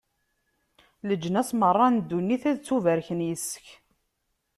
Leǧnas meṛṛa n ddunit ad ttubarken yis-k.